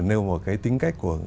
nêu một cái tính cách của